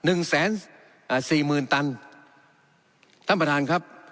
หนึ่งแสนอ่าสี่หมื่นตันท่านประธานครับ